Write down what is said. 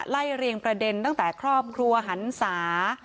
เรียงประเด็นตั้งแต่ครอบครัวหันศา